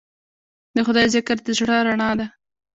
د خدای ذکر د زړه رڼا ده.